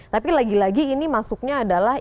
tapi lagi lagi ini masuknya adalah